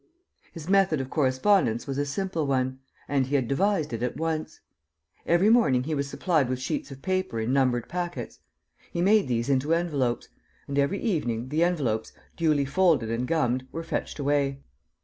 His method of correspondence was a simple one; and he had devised it at once. Every morning he was supplied with sheets of paper in numbered packets. He made these into envelopes; and, every evening, the envelopes, duly folded and gummed, were fetched away.